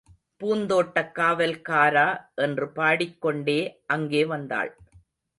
பூந்தோட்டக் காவல் காரா என்று பாடிக் கொண்டே அங்கே வந்தாள்.